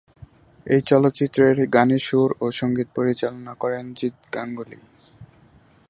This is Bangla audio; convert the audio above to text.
এই চলচ্চিত্রের গানের সুর ও সঙ্গীত পরিচালনা করেন জিৎ গাঙ্গুলী।